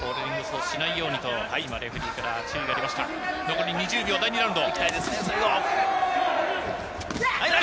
残り２０秒第２ラウンド。